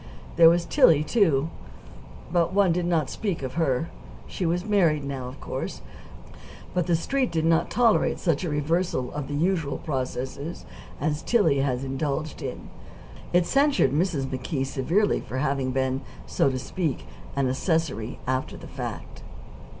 There was Tillie, too. But one did not speak of her. She was married now, of course; but the Street did not tolerate such a reversal of the usual processes as Tillie had indulged in. It censured Mrs. McKee severely for having been, so to speak, and accessory after the fact.